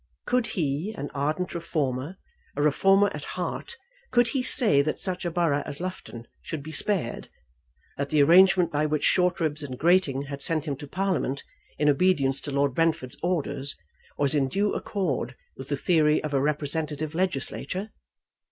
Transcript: Could he, an ardent reformer, a reformer at heart, could he say that such a borough as Loughton should be spared; that the arrangement by which Shortribs and Grating had sent him to Parliament, in obedience to Lord Brentford's orders, was in due accord with the theory of a representative legislature?